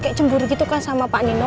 kayak cembur gitu kan sama pak nino